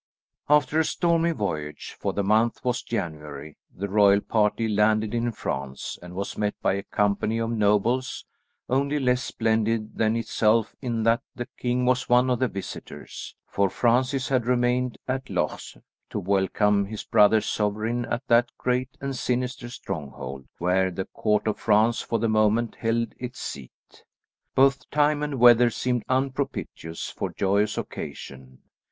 After a stormy voyage, for the month was January, the royal party landed in France, and was met by a company of nobles, only less splendid than itself in that a king was one of the visitors; for Francis had remained at Loches, to welcome his brother sovereign at that great and sinister stronghold, where the Court of France for the moment held its seat. Both time and weather seemed unpropitious for joyous occasion.